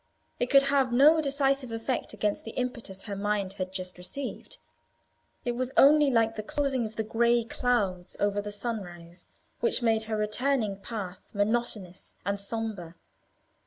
It could have no decisive effect against the impetus her mind had just received; it was only like the closing of the grey clouds over the sunrise, which made her returning path monotonous and sombre.